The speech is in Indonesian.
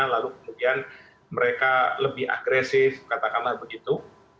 lalu kemudian mereka lebih agresif katakanlah begitu